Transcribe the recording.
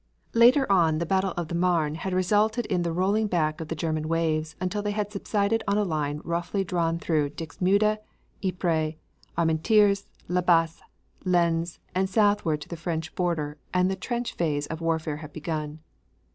Later on the battle of the Marne had resulted in the rolling back of the German waves until they had subsided on a line roughly drawn through Dixmude, Ypres, Armentieres, La Bassee, Lens, and southward to the French border and the trench phase of warfare had begun.